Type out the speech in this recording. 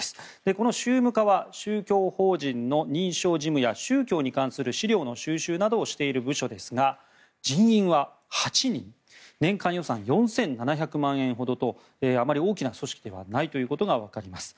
この宗務課は宗教法人の認証事務や宗教に関する資料の収集などをしている部署ですが人員は８人年間予算４７００万円ほどとあまり大きな組織ではないということがわかります。